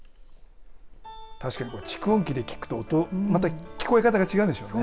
確かに、蓄音機で聞くと聞こえ方が違うんでしょうね。